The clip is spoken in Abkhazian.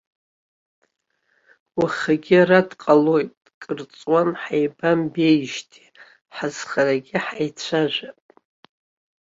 Уахагьы ара дҟалоит, кырҵуан ҳаибамбеижьҭеи, ҳазхарагьы ҳаицәажәап.